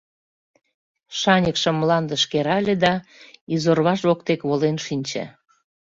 Шаньыкшым мландыш керале да изорваж воктек волен шинче.